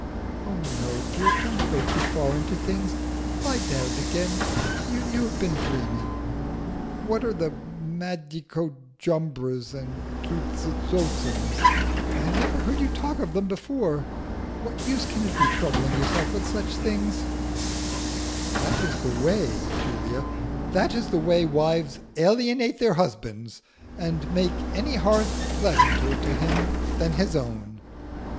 "Oh no, dear, don't go too far into things. Lie down again. You have been dreaming. What are the Madicojumbras and Zuzitotzums? I never heard you talk of them before. What use can it be troubling yourself about such things?" "That is the way, Julia that is the way wives alienate their husbands, and make any hearth pleasanter to him than his own!"